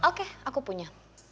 oke aku punya